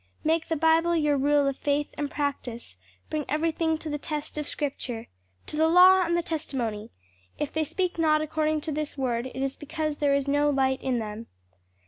Make the Bible your rule of faith and practice, bring everything to the test of Scripture. 'To the law and to the testimony; if they speak not according to this word, it is because there is no light in them.'"